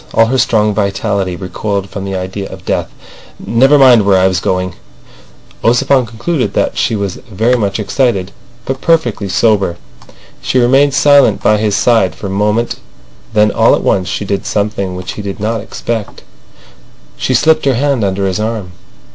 All her strong vitality recoiled from the idea of death. "Never mind where I was going. ..." Ossipon concluded that she was very much excited but perfectly sober. She remained silent by his side for moment, then all at once she did something which he did not expect. She slipped her hand under his arm.